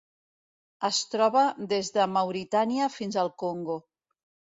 Es troba des de Mauritània fins al Congo.